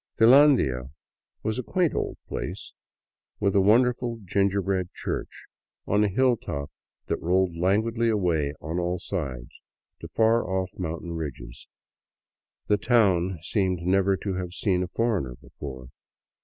Filandia was a quaint old place with a wonderful gingerbread church, on a hilltop that rolled languidly away on all sides to far off mountain ridges. The town seemed never to have seen a foreigner before.